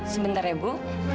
sebentar ya bu